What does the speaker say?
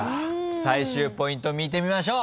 最終ポイント見てみましょう。